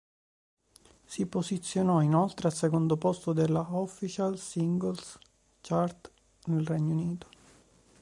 Si posizionò inoltre al secondo posto della Official Singles Chart nel Regno Unito.